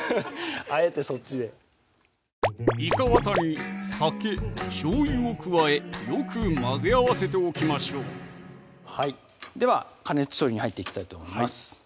あえてそっちでいかわたに酒・しょうゆを加えよく混ぜ合わせておきましょうでは加熱処理に入っていきたいと思います